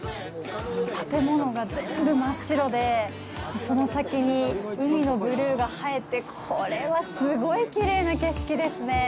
建物が全部真っ白で、その先に海のブルーが映えて、これはすごいきれいな景色ですね！